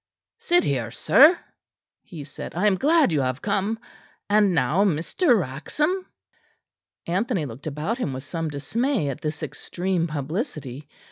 "Sit here, sir," he said. "I am glad you have come. And now, Mr. Raxham " Anthony looked about him with some dismay at this extreme publicity.